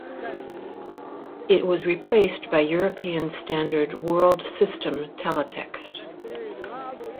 It was replaced by European standard World System Teletext.